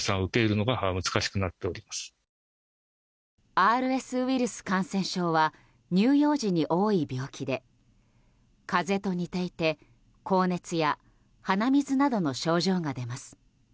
ＲＳウイルス感染症は乳幼児に多い病気で風邪と似ていて高熱や鼻水などの症状が出ます。